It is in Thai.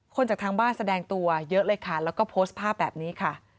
จากทางบ้านแสดงตัวเยอะเลยค่ะแล้วก็โพสต์ภาพแบบนี้ค่ะ